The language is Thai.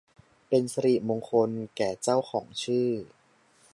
เป็นศิริมงคลแก่เจ้าของชื่อ